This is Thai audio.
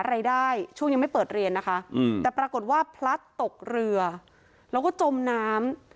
ในช่วงยังไม่เปิดเรียนนะคะแต่ปรากฏว่าพลัดตกเรือแล้วก็จมน้ำ